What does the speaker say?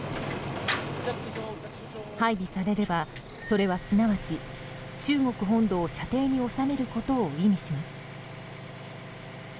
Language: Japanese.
配備されれば、それはすなわち中国本土を射程に収めることを意味します。